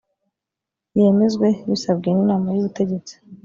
yemezwe bisabwe n inama y ubutegetsi